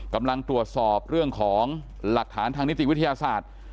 กำลังตรวจสอบเรื่องของหลักฐานทางนิติวิทยาศาสตร์